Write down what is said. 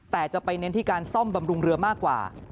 แต่จะไปเน้นที่การซ่อมบำรุงเรือมากกว่า